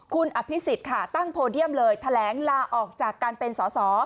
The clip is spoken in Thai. คุณอภิษฎค่ะตั้งโพเดียมเลยแถลงลาออกจากการเป็นสอสอ